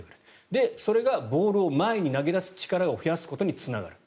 で、それがボールを前に投げ出す力を増やすことにつながる。